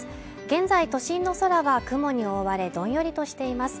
現在都心の空は雲に覆われどんよりとしています